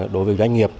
đối với doanh nghiệp